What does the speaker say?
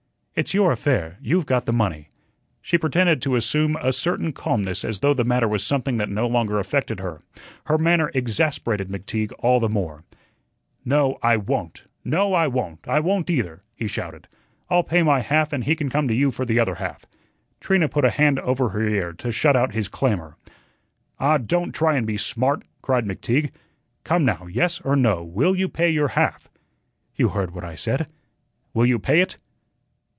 "It's your affair; you've got the money." She pretended to assume a certain calmness as though the matter was something that no longer affected her. Her manner exasperated McTeague all the more. "No, I won't; no, I won't; I won't either," he shouted. "I'll pay my half and he can come to you for the other half." Trina put a hand over her ear to shut out his clamor. "Ah, don't try and be smart," cried McTeague. "Come, now, yes or no, will you pay your half?" "You heard what I said." "Will you pay it?"